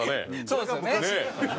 そうですよね。